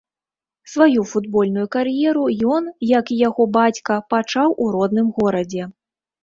Сваю футбольную кар'еру ён, як і яго бацька, пачаў у родным горадзе.